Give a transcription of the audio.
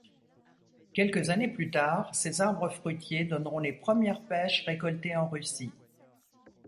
Quelques années plus tard, ces arbres fruitiers donneront les premières pêches récoltées en Russie.